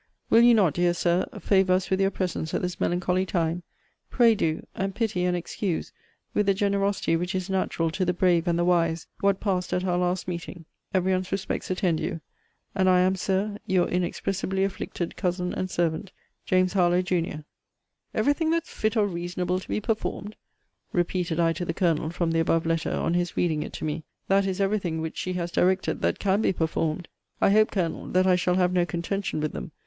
Will you not, dear Sir, favour us with your presence at this melancholy time? Pray do and pity and excuse, with the generosity which is natural to the brave and the wise, what passed at our last meeting. Every one's respects attend you. And I am, Sir, Your inexpressibly afflicted cousin and servant, JA. HARLOWE, JUN. Every thing that's fit or reasonable to be performed! [repeated I to the Colonel from the above letter on his reading it to me;] that is every thing which she has directed, that can be performed. I hope, Colonel, that I shall have no contention with them.